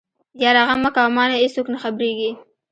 يره غم مکوه مانه ايڅوک نه خبرېږي.